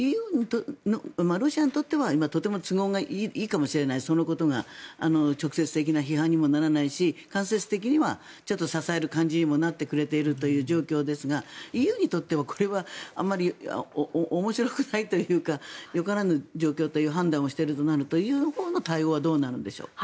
ロシアにとってはとても都合がいいかもしれないそのことが直接的な批判にもならないし間接的にはちょっと支える形にもなっているという感じですがＥＵにとってはこれはあまり面白くないというかよからぬ状況という判断をしてるとなるとＥＵのほうの対応はどうなるんでしょうか？